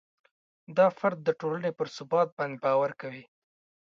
دا فرد د ټولنې پر ثبات باندې باوري کوي.